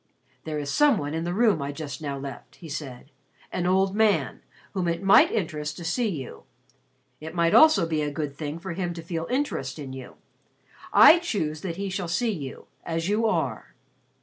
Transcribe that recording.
"There is some one in the room I just now left," he said, "an old man whom it might interest to see you. It might also be a good thing for him to feel interest in you. I choose that he shall see you as you are."